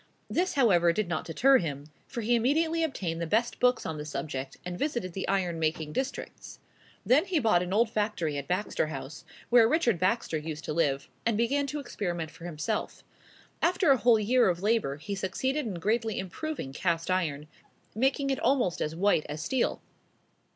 This, however, did not deter him; for he immediately obtained the best books on the subject, and visited the iron making districts. Then he bought an old factory at Baxter House, where Richard Baxter used to live, and began to experiment for himself. After a whole year of labor he succeeded in greatly improving cast iron, making it almost as white as steel.